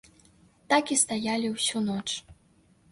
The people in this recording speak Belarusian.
Так і стаялі ўсю ноч.